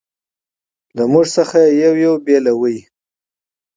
له موږ څخه یې یو یو بېل کاوه.